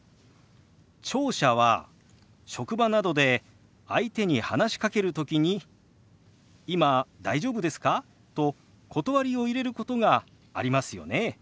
聴者は職場などで相手に話しかける時に「今大丈夫ですか？」と断りを入れることがありますよね？